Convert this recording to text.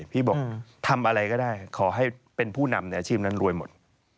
พี่บอกทำอะไรก็ได้ขอให้เป็นผู้นำในอาชีพนั้นรวยหมด